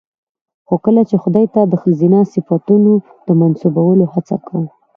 خو کله چې خداى ته د ښځينه صفتونو د منسوبولو هڅه کوو